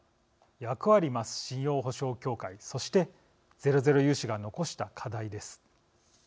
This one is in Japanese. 役割増す、信用保証協会そして、ゼロゼロ融資が残した課題です。